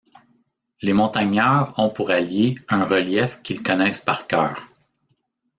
Les montagnards ont pour allié un relief qu'ils connaissent par cœur.